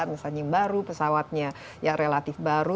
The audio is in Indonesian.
misalnya yang baru pesawatnya yang relatif baru